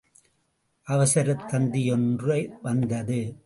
அவசரத் தந்தியொன்று வந்தது.